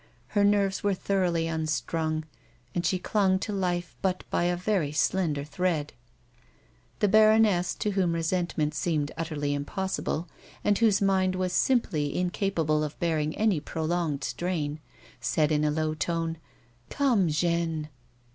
Her nerves were thoroughly unstrung, and she clung to life but by a very slender thread. The baroness, to whom resentment seemed utterly im possible and whose mind was simply incapable of bearing any prolonged strain, said in a low tone :" Come, Jeanne